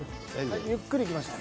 ゆっくりいきましょう。